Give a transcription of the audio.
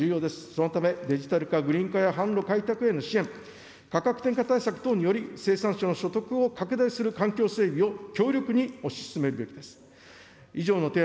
そのため、デジタル化・グリーン化や販路開拓への支援、価格転嫁対策等により、生産者の所得を拡大する環境整備を強力に推し進めるべきです。